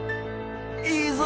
「いいぞ！